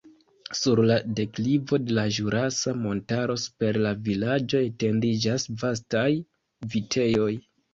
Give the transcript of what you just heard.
Sur la deklivo de la Ĵurasa Montaro super la vilaĝo etendiĝas vastaj vitejoj.